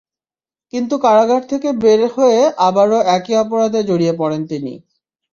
কিন্তু কারাগার থেকে বের হয়ে আবারও একই অপরাধে জড়িয়ে পড়েন তিনি।